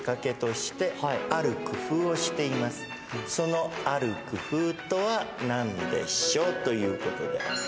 そのある工夫とは何でしょうということで。